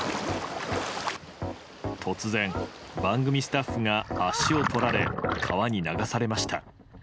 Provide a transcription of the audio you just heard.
突然、番組スタッフが足をとられ、川に流されました。